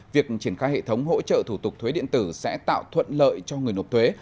việc triển khai hệ thống hỗ trợ thủ tục thuế điện tử sẽ tạo thuận lợi cho người nộp thuế